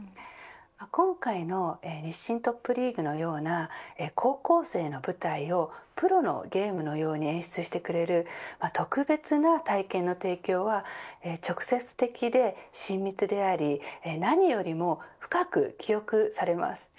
今回の日清トップリーグのような高校生の舞台をプロのゲームのように演出してくれる特別な体験の提供は直接的で親密であり何よりも深く記憶されます。